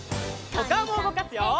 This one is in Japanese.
おかおもうごかすよ！